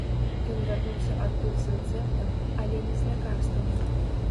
Ён вярнуўся адтуль з рэцэптам, але не з лякарствам.